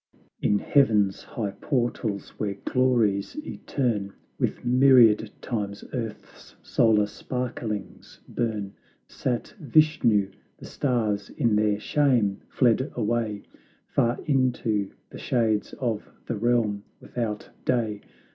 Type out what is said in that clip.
In heaven's high portals, where glories eterne With myriad times earth's solar sparklings burn, Sat Vishnu; the stars in their shame fled away Far into the shades of the realm without day.